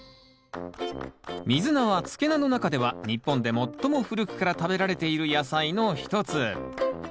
ミズナは漬け菜の中では日本で最も古くから食べられている野菜の一つ。